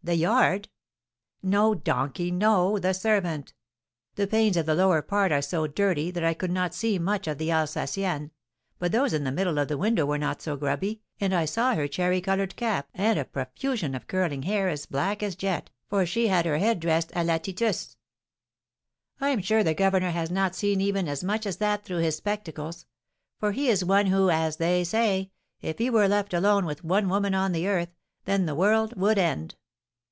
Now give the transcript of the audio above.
The yard?" "No, donkey, no, the servant! The panes of the lower part are so dirty that I could not see much of the Alsacienne; but those in the middle of the window were not so grubby, and I saw her cherry coloured cap and a profusion of curling hair as black as jet, for she had her head dressed à la Titus." "I'm sure the governor has not seen even as much as that through his spectacles; for he is one who, as they say, if he were left alone with one woman on the earth, then the world would end."